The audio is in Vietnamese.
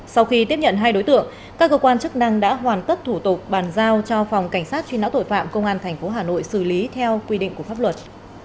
sau khi tiếp nhận hai đối tượng các cơ quan chức năng đã hoàn tất thủ tục bàn giao cho phòng cảnh sát truy nã tội phạm công an tp hà nội xử lý theo quy định của pháp luật